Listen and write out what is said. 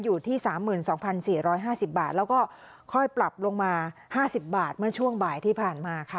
อยู่ที่สามหมื่นสองพันสี่ร้อยห้าสิบบาทแล้วก็ค่อยปรับลงมาห้าสิบบาทเมื่อช่วงบ่ายที่ผ่านมาค่ะ